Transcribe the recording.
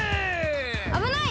あぶない！